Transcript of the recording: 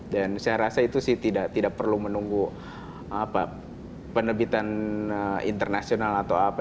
dan saya rasa itu sih tidak perlu menunggu penebitan internasional atau apa